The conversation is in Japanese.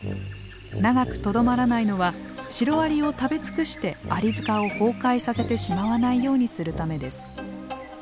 長くとどまらないのはシロアリを食べ尽くしてアリ塚を崩壊させてしまわないようにするためです。